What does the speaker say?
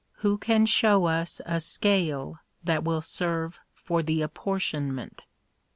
Who. can show us a scale that will serve for the apportionment?